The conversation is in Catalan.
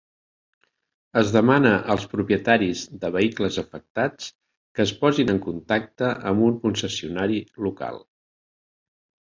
Es demana als propietaris de vehicles afectats que es posin en contacte amb un concessionari local.